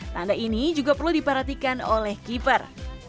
tanda ini juga perlu diperhatikan oleh keeper